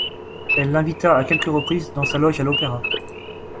Elle l'invita à quelques reprises dans sa loge à l'opéra.